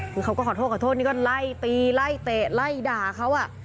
คือเขาก็ขอโทษขอโทษนี่ก็ไล่ตีไล่เตะไล่ด่าเขาอ่ะ